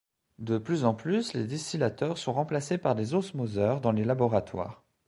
De plus en plus, les distillateurs sont remplacés par des osmoseurs dans les laboratoires.